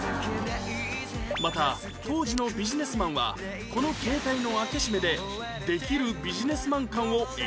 また当時のビジネスマンはこの携帯の開け閉めでできるビジネスマン感を演出していたんです